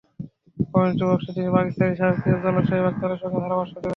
Commentary বক্সে তিনি পাকিস্তানি সাবেক পেস বোলার শোয়েব আকতারের সঙ্গে ধারাভাষ্য দেবেন।